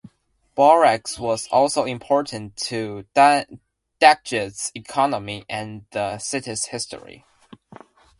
Borax was also important to Daggett's economy and the city's history.